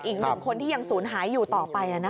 อีก๑คนที่ยังสูญหายอยู่ต่อไปล่ะนะคะ